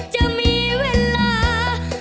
จะมีเวลา